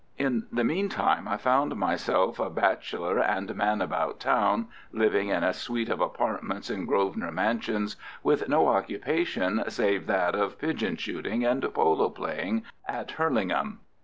In the meantime, I found myself a bachelor and man about town, living in a suite of apartments in Grosvenor Mansions, with no occupation save that of pigeon shooting and polo playing at Hurlingham.